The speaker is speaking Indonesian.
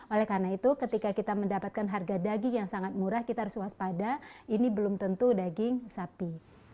oleh karena itu ketika kita mendapatkan harga daging yang sangat murah kita harus waspada ini belum tentu daging sapi